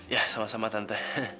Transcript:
ya sama sama tante